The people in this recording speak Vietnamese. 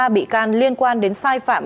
ba bị can liên quan đến sai phạm